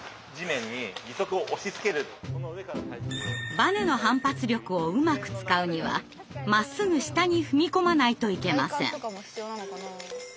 バネの反発力をうまく使うにはまっすぐ下に踏み込まないといけません。